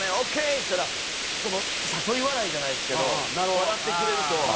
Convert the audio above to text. っつったら誘い笑いじゃないですけど笑ってくれると。